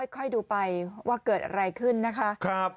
ค่อยดูไปว่าเกิดอะไรขึ้นนะคะ